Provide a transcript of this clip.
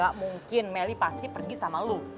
gak mungkin melly pasti pergi sama lo